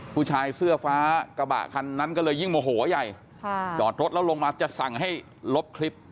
ผู้ชายเสื้อฟ้ากระบะคันนั้นก็เลยยิ่งโมโหใหญ่จอดรถแล้วลงมาจะสั่งให้ลบคลิป